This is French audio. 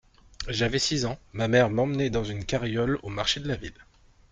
J'avais six ans, ma mère m'emmenait dans une carriole au marché de la ville.